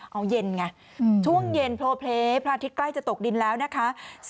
เอาเย็นไงช่วงเย็นโพลเพลย์พระอาทิตย์ใกล้จะตกดินแล้วนะคะ